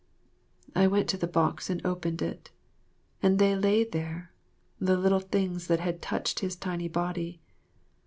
I went to the box and opened it, and they lay there, the little things that had touched his tiny body.